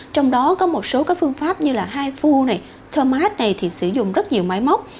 trong đó có một số các phương pháp như là hifu này thermat này thì sử dụng rất nhiều máy móc